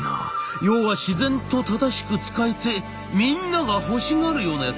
要は自然と正しく使えてみんなが欲しがるようなやつね」。